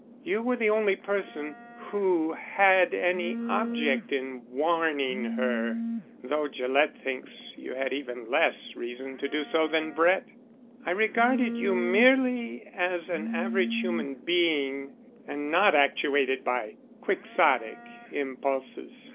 You were the only person who had any object in warning her, though Gillett thinks you had even less reason to do so than Brett. I regarded you merely as an average human being and not actuated by Quixotic impulses.